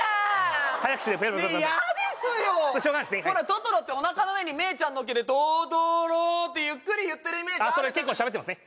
トトロっておなかの上にメイちゃん乗っけて「トトロ」ってゆっくり言ってるイメージあるそれ結構しゃべってますね